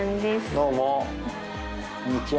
どうも、こんにちは。